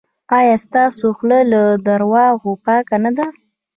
ایا ستاسو خوله له درواغو پاکه نه ده؟